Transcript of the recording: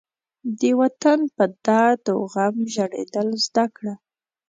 د وطن په درد و غم ژړېدل زده کړه.